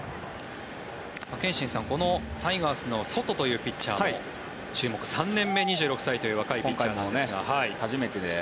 憲伸さん、タイガースのソトというピッチャーも注目３年目、２６歳という若いピッチャーですが今回、初めてで。